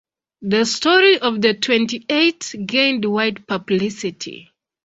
The story of the Twenty-Eight gained wide publicity.